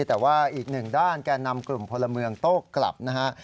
แต่ว่าอีกหนึ่งด้านแก่นำกลุ่มพลเมืองโต้กลับนะฮะ